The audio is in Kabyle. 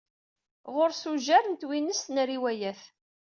Ɣers ujar n twinest n riwayat.